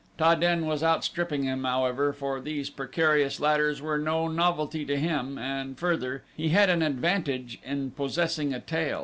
Ta den was outstripping him, however, for these precarious ladders were no novelty to him and, further, he had an advantage in possessing a tail.